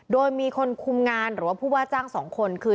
โดยมีคนคุมงานหรือว่าผู้ว่าจ้าง๒คนคือ